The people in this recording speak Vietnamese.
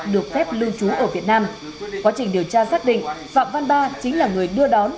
được phép lưu trú ở việt nam quá trình điều tra xác định phạm văn ba chính là người đưa đón